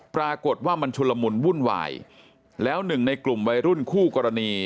ปรากฏว่ามันชุลมุนวุ่นวายแล้วหนึ่งในกลุ่มวัยรุ่นคู่กรณี